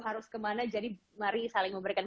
harus kemana jadi mari saling memberikan